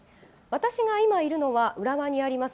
私が今いるのは裏側にあります